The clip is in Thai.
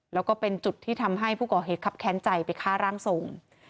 แล้วก็เป็นจุดที่ทำให้ผู้ก่อเหตุครับแค้นใจไปฆ่าร่างทรง